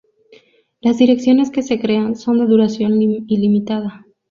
las direcciones que se crean son de duración ilimitada